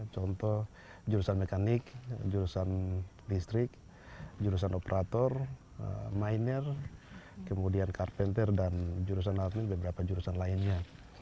contoh jurusan mekanik jurusan listrik jurusan operator miner kemudian carpenter dan jurusan atlet beberapa jurusan lainnya